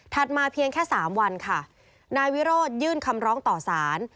มาเพียงแค่๓วันค่ะนายวิโรธยื่นคำร้องต่อสาร